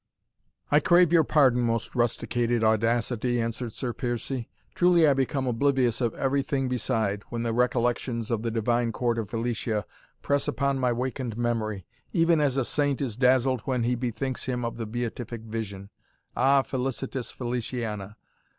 "I crave your pardon, most rusticated Audacity," answered Sir Piercie; "truly I become oblivious of every thing beside, when the recollections of the divine court of Felicia press upon my wakened memory, even as a saint is dazzled when he bethinks him of the beatific vision. Ah, felicitous Feliciana!